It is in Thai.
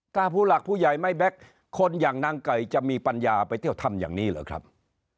ถ้าผู้หลักผู้ใหญ่ไม่แบ็คคนอย่างนางไก่จะมีปัญญาไปเที่ยวถ้ำอย่างนี้เหรอครับ